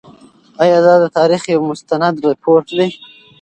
آیا دا د تاریخ یو مستند رپوټ دی؟